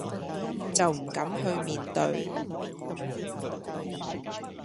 就唔敢去面對